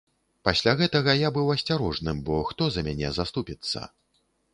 Пасля гэтага я быў асцярожным, бо хто за мяне заступіцца?